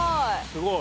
すごい。